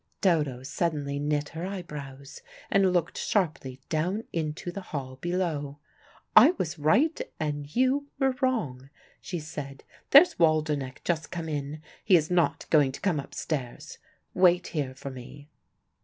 Dodo suddenly knit her eyebrows, and looked sharply down into the hall below. "I was right, and you were wrong," she said. "There's Waldenech just come in. He is not going to come upstairs. Wait here for me."